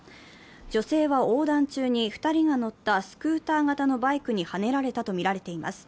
女性は横断中に２人が乗ったスクーター型のバイクにはねられたとみられています。